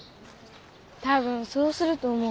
多分そうすると思うわ。